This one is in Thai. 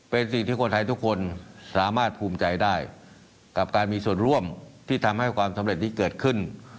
เป็นสิ่งที่คนไทยทุกคนสามารถภูมิใจได้กับการมีส่วนร่วมที่ทำให้ความสำเร็จที่เกิดขึ้น